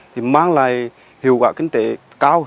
thì mang lại hiệu quả kinh tế cao